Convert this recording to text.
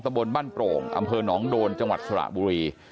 บนบ้านโปร่งอำเภอหนองโดนจังหวัดสระบุรี